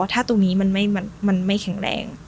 ถ้าตรงนี้มันไม่แข็งแรง